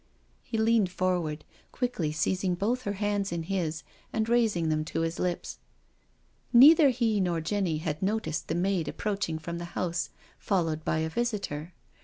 He leaned forward, quickly seizing both her hands in his and raising them to his lips. Neither he nor Jenny had noticed the maid ap proaching from the house, followed by a visitor.